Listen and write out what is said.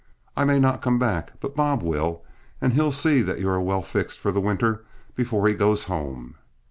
I may not come back, but Bob will, and he'll see that you are well fixed for the winter before he goes home.